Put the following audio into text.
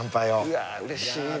うわうれしいね。